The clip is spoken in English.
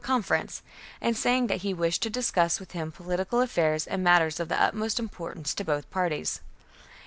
conference, and saying that he wished to discuss with him political affairs and matters of the utmost importance to both parties.